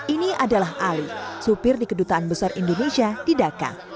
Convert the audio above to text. ini adalah ali supir di kedutaan besar indonesia di dhaka